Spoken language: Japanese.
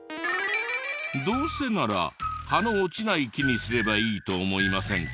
どうせなら葉の落ちない木にすればいいと思いませんか？